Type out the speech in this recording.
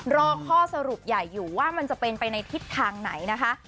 รอข้อสรุปใหญ่อยู่ว่ามันจะเป็นไปในทิศทางไหนนะคะ